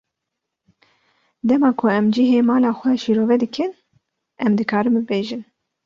Dema ku em cihê mala xwe şîrove dikin, em dikarin bibêjin.